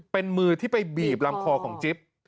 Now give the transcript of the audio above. เป็นมือที่ไปบีบลำคอของจิ๊บ